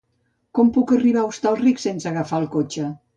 Com puc arribar a Hostalric sense agafar el cotxe?